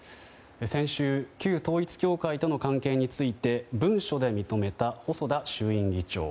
先週旧統一教会との関係について文書で認めた細田衆院議長。